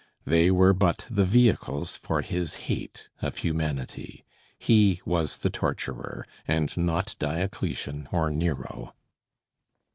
They were but the vehicles for his hate of humanity. He was the torturer, and not Diocletian or Nero.